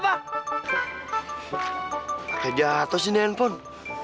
pakai jatoh sih ini handphone